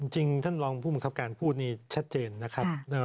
จริงท่านลองพูดมกรับการพูดนี้ชัดเจนนะคะ